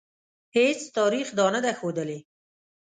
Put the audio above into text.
هیڅ تاریخ دا نه ده ښودلې.